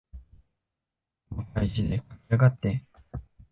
こまかい字で書きやがって。